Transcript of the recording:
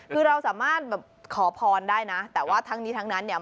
คือเราสามารถแบบขอพรได้นะแต่ว่าทั้งนี้ทั้งนั้นเนี่ย